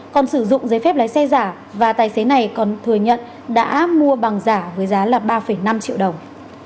còn sử dụng giấy phép lái xe giả và tài xế này còn thừa nhận đã mua bằng giả với giá là ba năm triệu đồng